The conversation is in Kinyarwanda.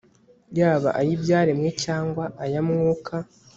yaba ayibyaremwe cyangwa aya Mwuka